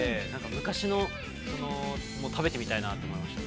昔の食べてみたいなと思いました。